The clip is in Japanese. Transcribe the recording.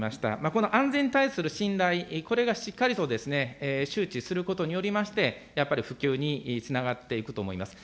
この安全に対する信頼、これがしっかりと周知することによりまして、やっぱり普及につながっていくと思います。